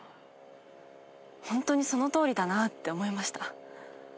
ホントにそのとおりだなって思いました。